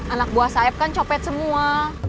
anak buah sayap kan copet semua